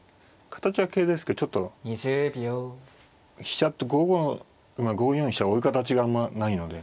形は桂ですけどちょっと飛車と５五の馬５四飛車を追う形があんまないので。